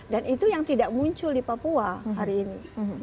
dan itu yang tidak muncul di papua hari ini